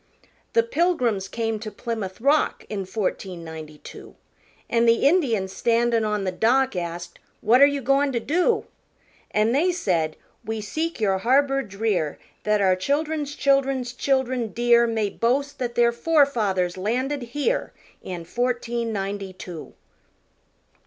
The Pilgrims came to Plymouth Rock In fourteen ninety two, An' the Indians standin' on the dock Asked, "What are you goin' to do?" An' they said, "We seek your harbor drear That our children's children's children dear May boast that their forefathers landed here In fourteen ninety two."